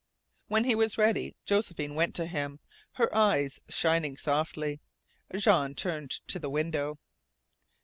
When he was ready Josephine went to him, her eyes shining softly. Jean turned to the window.